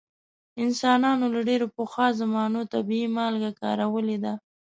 انسانانو له ډیرو پخوا زمانو طبیعي مالګې کارولې دي.